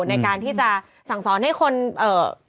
ในการที่จะสั่งสอนให้คนเอ่อ